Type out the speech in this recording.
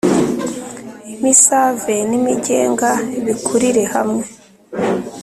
imisave n’imigenge bikurire hamwe,